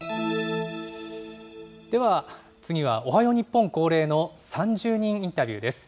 では、次はおはよう日本恒例の３０人インタビューです。